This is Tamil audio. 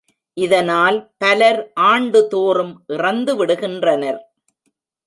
இதனால் பலர் ஆண்டுதோறும் இறந்துவிடுகின்றனர்.